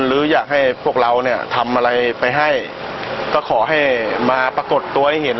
หรืออยากให้พวกเราเนี่ยทำอะไรไปให้ก็ขอให้มาปรากฏตัวให้เห็น